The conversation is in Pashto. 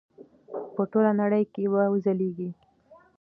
په ټوله نړۍ کې به وځلیږي.